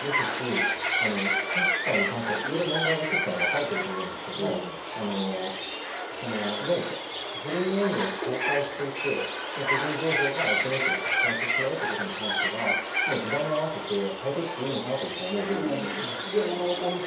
今回に関して問題がいくつか分かれていると思いますが、いわゆるフルネームを公開していて、個人情報がＳＮＳで拡散してしまうということに関しては、時代に合わせて変えていっていいのかなと僕は思う部分です。